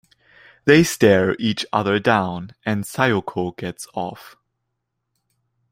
They stare each other down and Sayoko gets off.